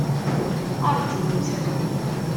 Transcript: Rǧumt!